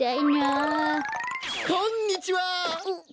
おっこんにちは。